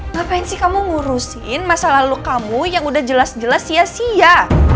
ngapain sih kamu ngurusin masa lalu kamu yang udah jelas jelas sia sia